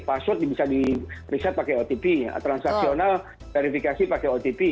password bisa di riset pakai otp transaksional verifikasi pakai ott